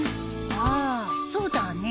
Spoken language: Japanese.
ああそうだね。